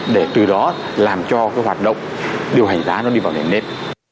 để từ đó làm cho cái hoạt động điều hành giá nó đi vào nền nếp